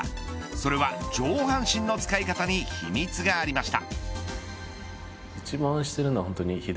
それは上半身の使い方に秘密がありました。